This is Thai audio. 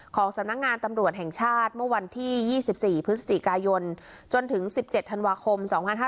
สำนักงานตำรวจแห่งชาติเมื่อวันที่๒๔พฤศจิกายนจนถึง๑๗ธันวาคม๒๕๕๙